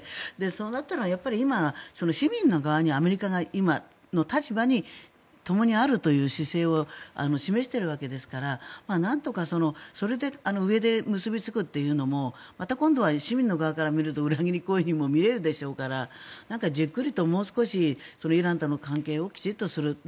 そうなったらやっぱり今市民の側にアメリカが今の立場にともにあるという姿勢を示しているわけですからなんとかそれで上で結びつくというのもまた今度は市民の側から見ると裏切り行為にも見えるでしょうからじっくりともう少しイランとの関係をきちんとする。